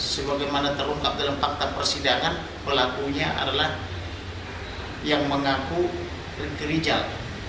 sebagai mana terungkap dalam fakta persidangan pelakunya adalah yang mengaku rintirijal